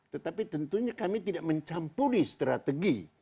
tetapi tentunya kami tidak mencampuri strategi